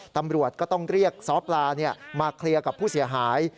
ตำรวจก็ต้องเรียกซ้อปลามาเคลียร์กับผู้เสียหาย